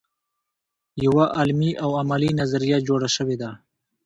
یوه علمي او عملي نظریه جوړه شوې ده.